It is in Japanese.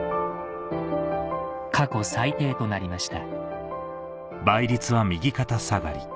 過去最低となりました